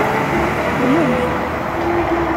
Rnumt!